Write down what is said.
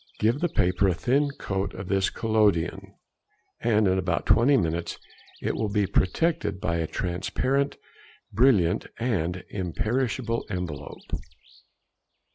Give the paper a thin coat of this collodion, and in about twenty minutes it will be protected by a transparent, brilliant, and imperishable envelope.